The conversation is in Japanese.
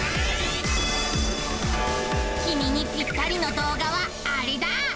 きみにぴったりの動画はアレだ！